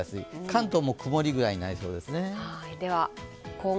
関東も曇りぐらいになりそうです。